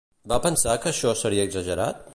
Va pensar que això seria exagerat?